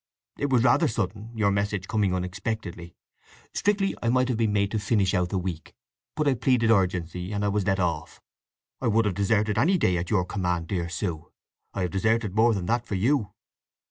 It was rather sudden—your message coming unexpectedly. Strictly, I might have been made to finish out the week. But I pleaded urgency and I was let off. I would have deserted any day at your command, dear Sue. I have deserted more than that for you!"